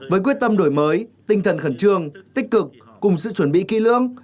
với quyết tâm đổi mới tinh thần khẩn trương tích cực cùng sự chuẩn bị kỹ lưỡng